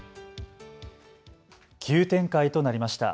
急展開となりました。